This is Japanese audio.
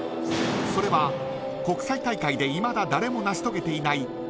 それは国際大会でいまだ誰も成し遂げていない